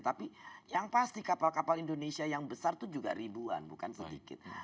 tapi yang pasti kapal kapal indonesia yang besar itu juga ribuan bukan sedikit